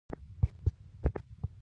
ساعت څه ښيي؟